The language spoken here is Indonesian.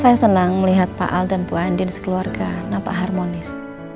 saya senang melihat pak al dan bu andin sekeluarga nampak harmonis